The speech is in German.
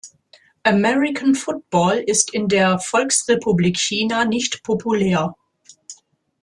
American Football ist in der Volksrepublik China nicht populär.